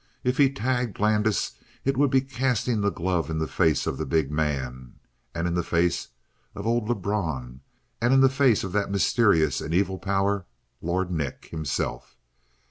If he tagged Landis it would be casting the glove in the face of the big man and in the face of old Lebrun and in the face of that mysterious and evil power, Lord Nick himself.